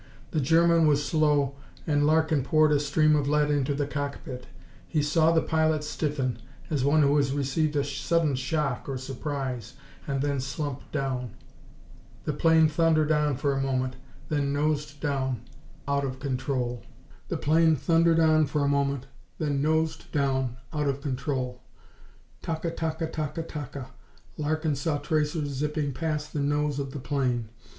The German was slow and Larkin poured a stream of lead into the cockpit. He saw the pilot stiffen, as one who has received a sudden shock or surprise, and then slump down. The plane thundered on for a moment, then nosed down, out of control. Ta ka ta ka ta ka ta ka! Larkin saw tracers zipping past the nose of the plane.